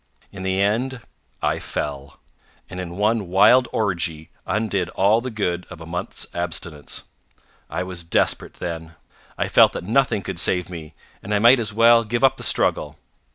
In the end, I fell, and in one wild orgy undid all the good of a month's abstinence. I was desperate then. I felt that nothing could save me, and I might as well give up the struggle.